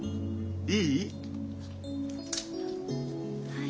いい？